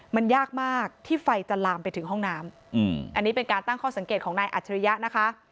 มันยากมากที่ไฟจะลามไปถึงห้องน้ำอันนี้เป็นการตั้งข้อสังเกตของนายอัจฉริยะนะคะ